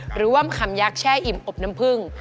หรือว่าคำยักษ์แช่อิ่มอบน้ำผึ้ง